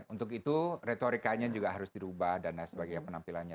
untuk itu retorikanya juga harus dirubah dan lain sebagainya penampilannya